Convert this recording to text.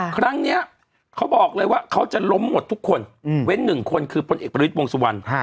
ครั้งนี้เขาบอกเลยว่าเขาจะล้มหมดทุกคนเว้น๑คนคือพลเอกประวิทย์วงสุวรรณ